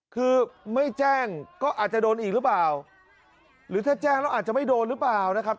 คือไม่แจ้งก็อาจจะโดนอีกหรือเปล่าหรือถ้าแจ้งแล้วอาจจะไม่โดนหรือเปล่านะครับ